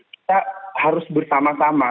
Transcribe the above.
kita harus bersama sama